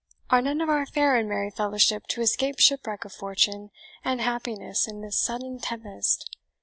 Are none of our fair and merry fellowship to escape shipwreck of fortune and happiness in this sudden tempest?